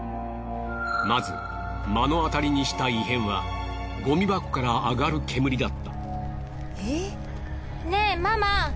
まず目の当たりにした異変はゴミ箱からあがる煙だった。